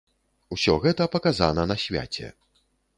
Усё гэта паказана на свяце.